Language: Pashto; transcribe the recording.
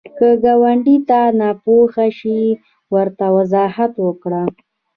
که ګاونډي ته ناپوهه شي، ورته وضاحت ورکړه